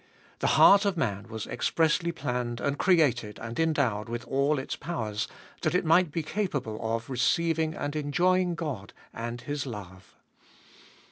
The heart of man was expressly planned and created and endowed with all its powers, that it might be capable of receiving and enjoying God and His 24 370 Cbe Iboliest of 2111 love.